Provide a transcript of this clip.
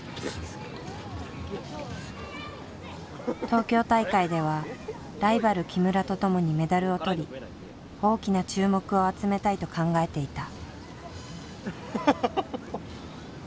東京大会ではライバル木村とともにメダルをとり大きな注目を集めたいと考えていた。